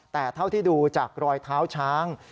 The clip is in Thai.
แต่เท่าที่ดูจากรอยเท้าช้าง